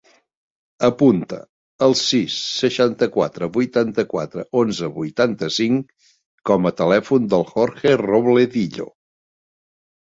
Apunta el sis, seixanta-quatre, vuitanta-quatre, onze, vuitanta-cinc com a telèfon del Jorge Robledillo.